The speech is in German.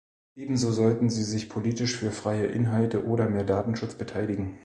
Ebenso sollten sie sich politisch für freie Inhalte oder mehr Datenschutz beteiligen.